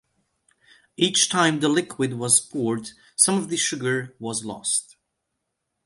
Each time the liquid was poured, some of the sugar was lost.